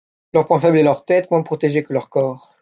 Leur point faible est leur tête, moins protégée que leur corps.